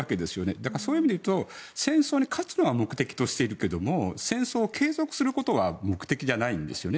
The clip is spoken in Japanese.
だからそういう意味でいうと戦争に勝つのは目的としているけれども戦争を継続することは目的じゃないんですよね。